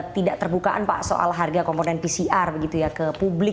tidak terbukaan pak soal harga komponen pcr begitu ya ke publik